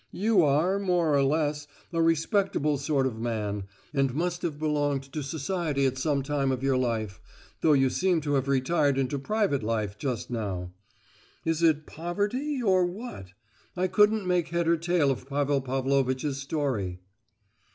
You are, more or less, a respectable sort of man, and must have belonged to society at some time of your life, though you seem to have retired into private life just now. Is it poverty, or what? I couldn't make head or tail of Pavel Pavlovitch's story."